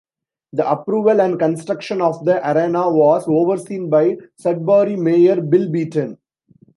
The approval and construction of the arena was overseen by Sudbury Mayor Bill Beaton.